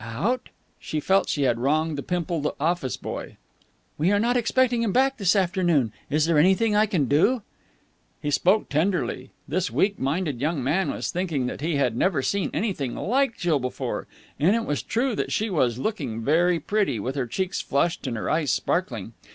"Out!" She felt she had wronged the pimpled office boy. "We are not expecting him back this afternoon. Is there anything I can do?" He spoke tenderly. This weak minded young man was thinking that he had never seen anything like Jill before. And it was true that she was looking very pretty, with her cheeks flushed and her eyes sparkling.